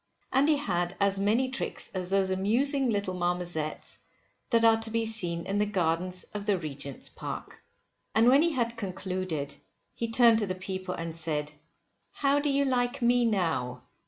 And he had as many tricks as those amusing little marmozettes that are to be seen in the gardens of the Regent's Park. And when he had concluded he turned to the people and said, how do you like me now?